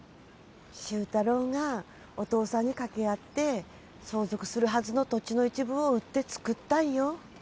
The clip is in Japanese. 周太郎がお父さんに掛け合って相続するはずの土地の一部を売って作ったんよ